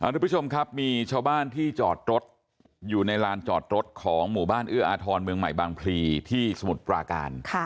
ทุกผู้ชมครับมีชาวบ้านที่จอดรถอยู่ในลานจอดรถของหมู่บ้านเอื้ออาทรเมืองใหม่บางพลีที่สมุทรปราการ